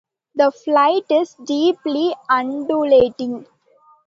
The flight is deeply undulating.